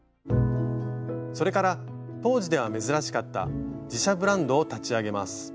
それから当時では珍しかった自社ブランドを立ち上げます。